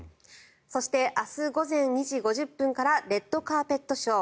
そして明日午前２時５０分からレッドカーペットショー。